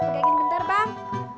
pake gini bentar bang